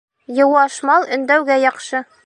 Йыуаш мал өндәүгә яҡшы.